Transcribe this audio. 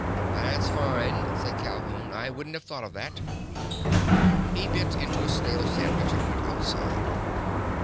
"That's fine!" said Calhoun. "I wouldn't have thought of that!" He bit into a stale sandwich and went outside.